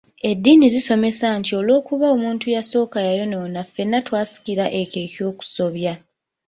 Eddiini zitusomesa nti olw'okuba omuntu eyasooka yayonoona ffenna twasikira ekyo eky'okusobya.